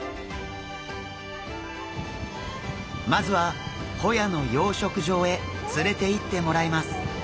まずはホヤの養殖場へ連れていってもらいます。